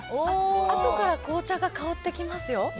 あとから紅茶が香ってきますよ。